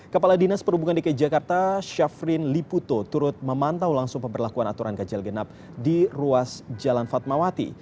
kepala dinas perhubungan dki jakarta syafrin liputo turut memantau langsung pemberlakuan aturan ganjil genap di ruas jalan fatmawati